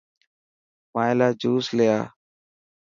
مائي لا جوس لي اي.